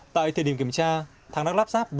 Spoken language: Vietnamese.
tại thời điểm kiểm tra thắng đã lắp ráp bốn khẩu súng hơi